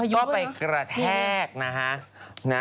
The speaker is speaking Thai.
ก็ไปกระแทกนะฮะ